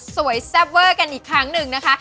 แซ่บเวอร์กันอีกครั้งหนึ่งนะคะ